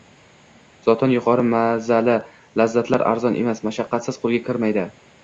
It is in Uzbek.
Zotan, yuqori mazali lazzatlar arzon emas, mashaqqatsiz qoʻlga kirmaydi